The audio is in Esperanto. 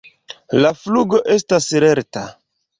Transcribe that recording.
La flugo estas lerta.